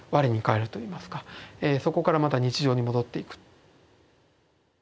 そこからまた日常に戻っていく。